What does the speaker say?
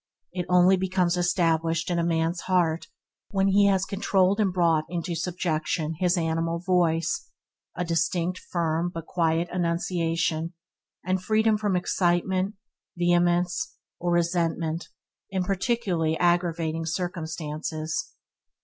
It only becomes established in a man's heart when he has controlled and brought into subjection his animal voice, a distinct, firm, but quiet enunciation, and freedom from excitement, vehemence, or resentment in peculiarly aggravating circumstances.